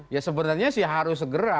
ya sebenarnya sih harus segera